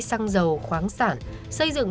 xăng dầu khoáng sản xây dựng